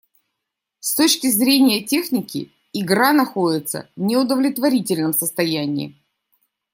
С точки зрения техники, игра находится в неудовлетворительном состоянии.